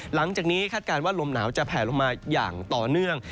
หลังจากนี้คาดการณ์ว่าลมหนาวจะแผลลงมาอย่างต่อเนื่อง